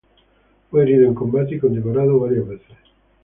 Fue herido en combate y condecorado varias veces.